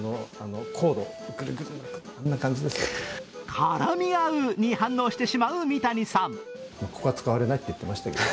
「からみあう」に反応してしまう三谷さん。